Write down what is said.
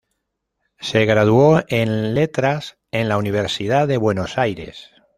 Se graduó en Letras en la Universidad de Buenos Aires.